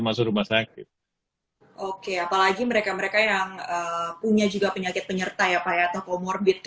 masuk rumah sakit oke apalagi mereka mereka yang punya juga penyakit penyertai apa ya toko morbid